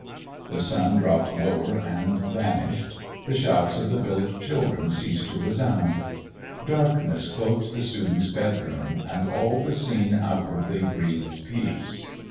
The sun dropped lower and vanished, the shouts of the village children ceased to resound, darkness cloaked the students' bedroom, and all the scene outwardly breathed peace.